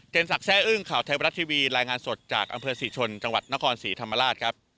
สักแซ่อึ้งข่าวไทยบรัฐทีวีรายงานสดจากอำเภอศรีชนจังหวัดนครศรีธรรมราชครับ